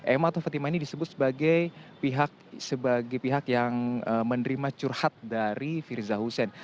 emma atau fatima ini disebut sebagai pihak yang menerima curhat dari firza hussein